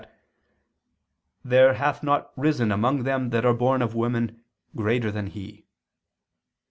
11:11) that "there hath not risen among them that are born of women, a greater than" he.